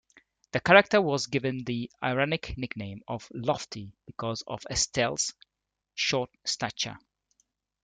The character was given the ironic nickname of "Lofty" because of Estelle's short stature.